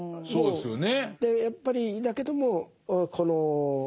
そうですね。